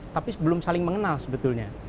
tapi sebelum saling mengenal sebetulnya